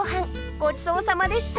ごちそうさまでした！